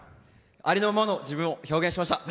ありのままの自分を表現しました。